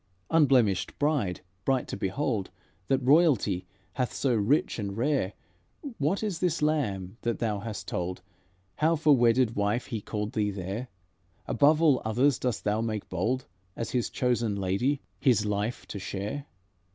"Unblemished bride, bright to behold, That royalty hath so rich and rare, What is this Lamb, that thou hast told How for wedded wife He called thee there? Above all others dost thou make bold, As His chosen lady His life to share?